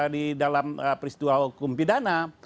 di dalam peristiwa hukum pidana